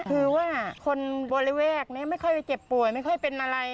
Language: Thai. คือว่าคนบริเวณนี้ไม่ค่อยไปเจ็บป่วยไม่ค่อยเป็นอะไร